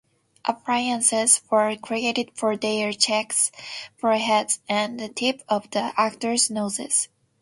Appliances were created for their cheeks, foreheads and the tip of the actor's noses.